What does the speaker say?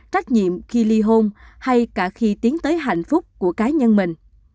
trách nhiệm khi ly hôn hay cả khi tiến tới hạnh phúc của cá nhân mình